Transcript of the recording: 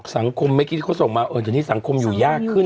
สังคมไม่คิดที่เขาส่งมาสังคมอยู่ยากขึ้น